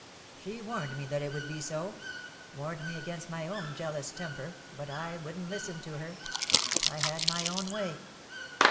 She warned me that it would be so — warned me against my own jealous temper — but I wouldn't listen to her. I had my own way."